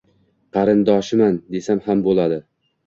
Qarindoshiman, desam ham boʻladi.